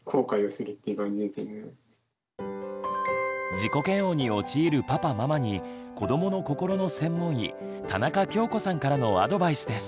自己嫌悪に陥るパパママに子どもの心の専門医田中恭子さんからのアドバイスです。